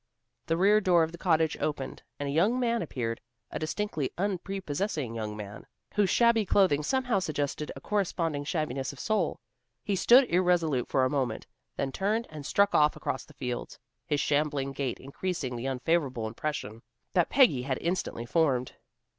The rear door of the cottage opened, and a young man appeared, a distinctly unprepossessing young man, whose shabby clothing somehow suggested a corresponding shabbiness of soul. He stood irresolute for a moment, then turned and struck off across the fields, his shambling gait increasing the unfavorable impression that Peggy had instantly formed.